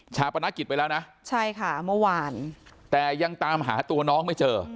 ปนกิจไปแล้วนะใช่ค่ะเมื่อวานแต่ยังตามหาตัวน้องไม่เจอ